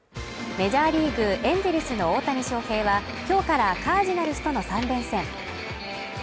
メジャーリーグエンゼルスの大谷翔平は今日からカージナルスとの３連戦。